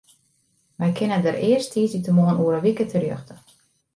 Wy kinne dêr earst tiisdeitemoarn oer in wike terjochte.